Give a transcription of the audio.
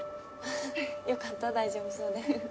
ハハッよかった大丈夫そうで。